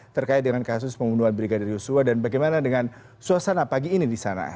terkait dengan kasus pembunuhan brigadir yosua dan bagaimana dengan suasana pagi ini di sana